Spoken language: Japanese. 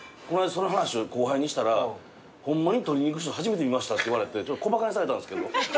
その話を後輩にしたらホンマに取りに行く人初めて見ましたって言われて小バカにされたんすけど。